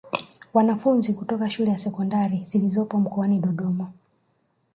Wanafunzi kutoka shule za Sekondari zilizopo mkoani Dodoma